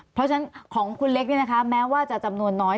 เพราะฉะนั้นของคุณเล็กแม้ว่าจะจำนวนน้อย